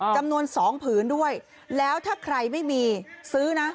จำนวน๒ผืนด้วยแล้วถ้าใครไม่มีซื้อนะ